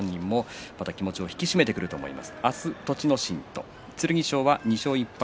気持ちを引き締めてくると思います。